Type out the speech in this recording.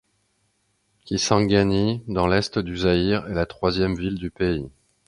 Kisangani, dans l'est du Zaïre, est la troisième ville du pays.